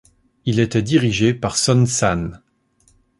Il était dirigé par Son Sann.